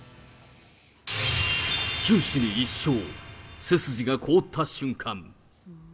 九死に一生、背筋が凍った瞬間。